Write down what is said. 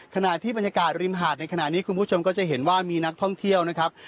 ขณะที่บรรยากาศริมหาดในขณะนี้คุณผู้ชมก็จะเห็นว่ามีนักท่องเที่ยวนะครับ